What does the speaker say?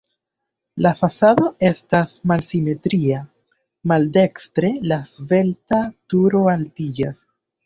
La fasado estas malsimetria, maldekstre la svelta turo altiĝas.